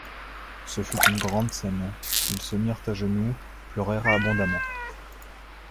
Ce fut une grande scène, ils se mirent à genoux, pleurèrent abondamment.